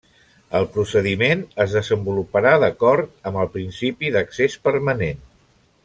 El procediment es desenvoluparà d'acord amb el principi d'accés permanent.